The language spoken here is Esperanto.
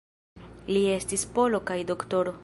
Li estis polo kaj doktoro.